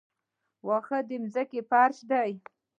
واښه د ځمکې فرش دی